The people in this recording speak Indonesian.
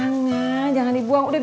nggak dibuang po